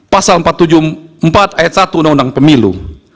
pasal empat puluh tujuh empat ayat satu undang undang pemilu